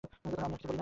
আমি আর কিছু বলি না।